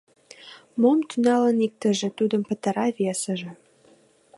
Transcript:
Мом тӱҥалын иктыже, тудым пытара весыже.